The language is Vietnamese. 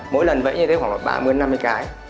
mỗi lần vẫy như thế khoảng là ba mươi năm mươi cái